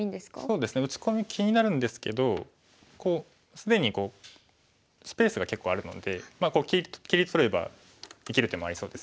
打ち込み気になるんですけどこう既にスペースが結構あるので切り取れば生きる手もありそうですよね。